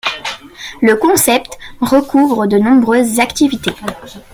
Le concept recouvre de nombreuses activités.